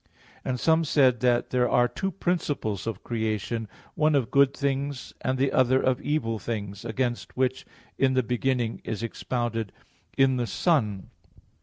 And some said that there are two principles of creation, one of good things and the other of evil things, against which "In the beginning" is expounded "in the Son."